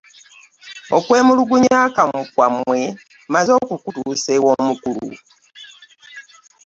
Okwemulugunya kwammwe mmaze okukutuusa ew'omukulu.